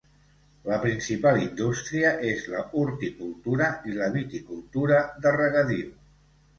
La principal indústria és la horticultura i la viticultura de regadiu.